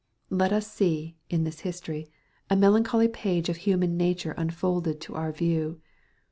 Let us see, in this history, a melancholy page of human nature unfolded to our view.